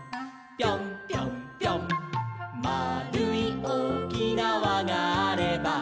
「まあるいおおきなわがあれば」